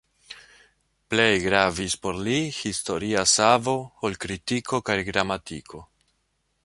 Plej gravis por li historia savo ol kritiko kaj gramatiko.